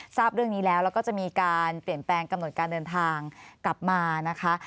ทราบเรื่องนี้แล้วแล้วก็จะมีการเปลี่ยนแปลงกำหนดการเดินทางกลับมานะคะ